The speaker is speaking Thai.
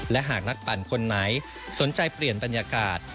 และหากนักปั่นคนไหนสนใจเปลี่ยนบรรยากาศ